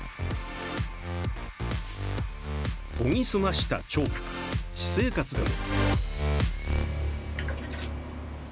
研ぎ澄ました聴覚、私生活でも。